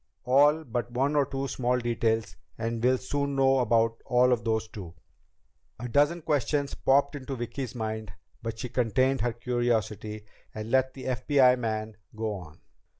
All but one or two small details, and we'll soon know all about those too." A dozen questions popped into Vicki's mind, but she contained her curiosity and let the FBI man go on.